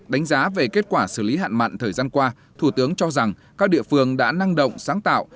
đánh giá về kết quả xử lý hạn mặn thời gian qua thủ tướng cho rằng các địa phương đã năng động sáng tạo